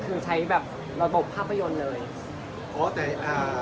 ก็คือใช้แบบระบบภาพยนตร์เลย